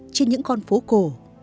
trên những con phố cổ